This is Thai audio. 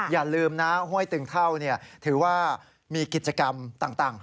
อย่าลืมนะห้วยตึงเท่าถือว่ามีกิจกรรมต่าง